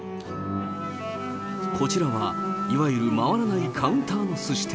こちらは、いわゆる回らないカウンターのすし店。